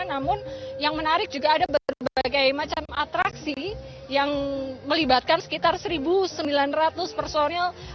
namun yang menarik juga ada berbagai macam atraksi yang melibatkan sekitar satu sembilan ratus personil